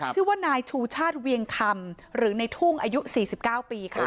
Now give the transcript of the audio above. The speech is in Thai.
ชื่อว่านายชูชาติเวียงคำหรือในทุ่งอายุ๔๙ปีค่ะ